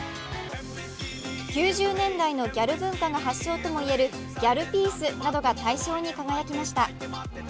９０年代のギャル文化が発祥ともいえるギャルピースなどが大賞に輝きました。